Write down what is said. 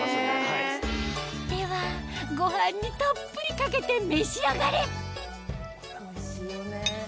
ではご飯にたっぷりかけて召し上がれ！